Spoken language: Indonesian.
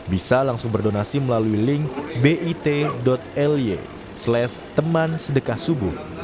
bisa langsung berdonasi melalui link bit ly slash temansedekahsubuh